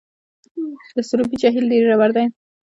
د سروبي جهیل ډیر ژور دی